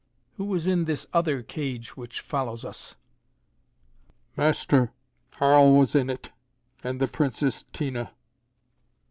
Who is in this other cage which follows us?" "Master, Harl was in it. And the Princess Tina."